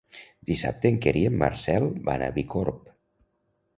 Dissabte en Quer i en Marcel van a Bicorb.